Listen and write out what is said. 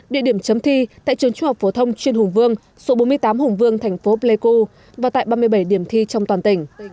địa điểm chấm thi tại trường trung học phổ thông chuyên hùng vương số bốn mươi tám hùng vương thành phố pleiku và tại ba mươi bảy điểm thi trong toàn tỉnh